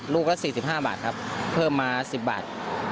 ลูกละ๔๕บาทครับเพิ่มมา๑๐บาท